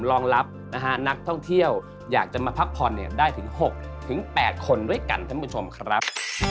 รองรับนะฮะนักท่องเที่ยวอยากจะมาพักผ่อนได้ถึง๖๘คนด้วยกันท่านผู้ชมครับ